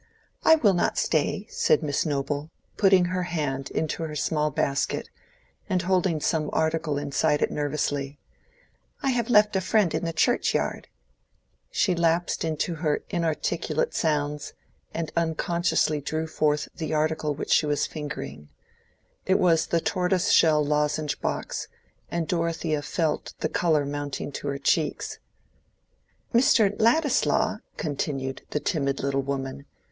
"I will not stay," said Miss Noble, putting her hand into her small basket, and holding some article inside it nervously; "I have left a friend in the churchyard." She lapsed into her inarticulate sounds, and unconsciously drew forth the article which she was fingering. It was the tortoise shell lozenge box, and Dorothea felt the color mounting to her cheeks. "Mr. Ladislaw," continued the timid little woman.